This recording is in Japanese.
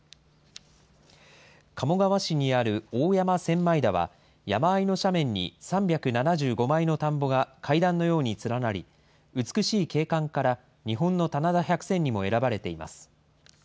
鴨川市にある大山千枚田は山あいの斜面に３７５枚の田んぼが階段のように連なり、美しい景観から、日本の棚田百選にも選ばれています。